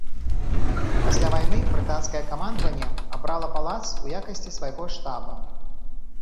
Пасля вайны брытанскае камандаванне абрала палац у якасці свайго штаба.